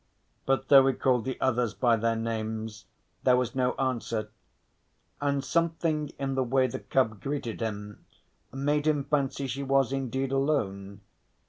But though he called the others by their names there was no answer, and something in the way the cub greeted him made him fancy she was indeed alone.